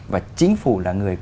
và chính phủ là người